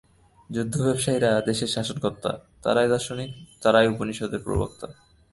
যুদ্ধব্যবসায়ীরা দেশের শাসনকর্তা, তাঁরাই দার্শনিক, তাঁরাই উপনিষদের প্রবক্তা।